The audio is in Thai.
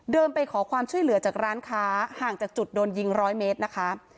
ไปขอความช่วยเหลือจากร้านค้าห่างจากจุดโดนยิงร้อยเมตรนะคะ